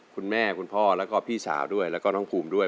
คุณพ่อแล้วก็พี่สาวด้วยแล้วก็น้องภูมิด้วย